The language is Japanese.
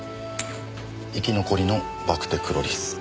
生き残りのバクテクロリス。